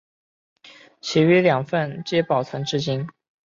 其余两份皆保存至今。